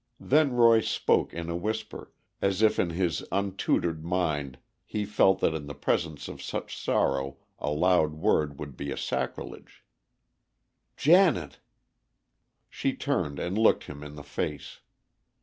Then Roy spoke in a whisper, as if in his untutored mind he felt that in the presence of such sorrow a loud word would be a sacrilege—"Janet!" She turned and looked him in the face.